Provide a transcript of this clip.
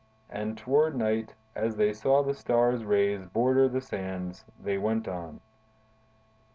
And toward night, as they saw the Star's rays border the sands, they went on.